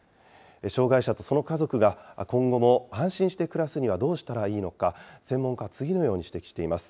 障害者とその家族が今後も安心して暮らすにはどうしたらいいのか、専門家は次のよう指摘しています。